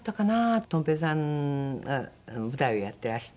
とん平さんが舞台をやってらして。